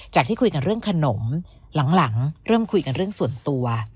ที่คุยกันเรื่องขนมหลังเริ่มคุยกันเรื่องส่วนตัว